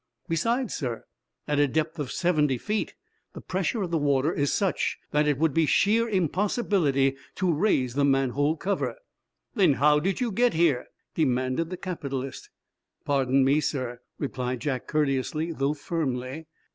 Besides, sir, at a depth of seventy feet, the pressure of the water is such that it would be sheer impossibility to raise the manhole cover." "Then how did you get here?" demanded the capitalist. "Pardon me, sir," replied Jack, courteously, though firmly.